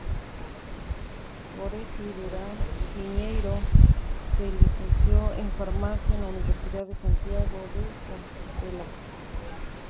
Goretti Durán Piñeiro se licenció en Farmacia en la Universidad de Santiago de Compostela.